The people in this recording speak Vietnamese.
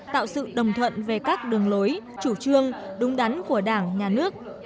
tạo sự đồng thuận về các đường lối chủ trương đúng đắn của đảng nhà nước